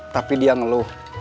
tapi dia ngeluh